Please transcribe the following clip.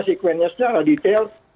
sekuennya secara detail